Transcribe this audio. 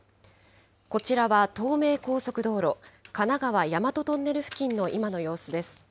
こちらは東名高速道路神奈川、大和トンネル付近の今の様子です。